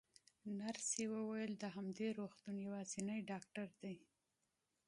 نرسې وویل: دی د همدې روغتون یوازینی ډاکټر دی.